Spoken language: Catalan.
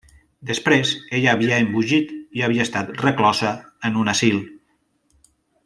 Després ella havia embogit i havia estat reclosa en un asil.